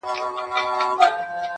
دا آخره زمانه ده په پیمان اعتبار نسته-